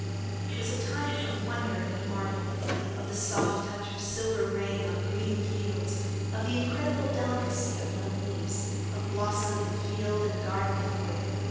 It was a time of wonder and marvel, of the soft touch of silver rain on greening fields, of the incredible delicacy of young leaves, of blossom in field and garden and wood.